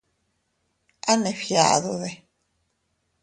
¿A neʼe fgiadude?